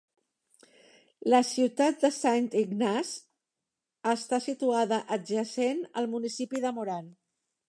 La ciutat de Saint Ignace està situada adjacent al municipi de Moran.